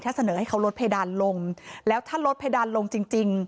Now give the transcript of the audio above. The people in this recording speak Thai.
เสนอให้เขาลดเพดานลงแล้วถ้าลดเพดานลงจริงจริง